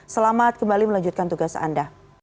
selamat kembali melanjutkan tugas anda